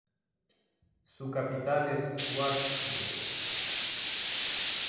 Su capital es Wurzburgo.